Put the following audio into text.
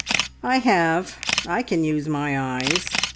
"I have. I can use my eyes.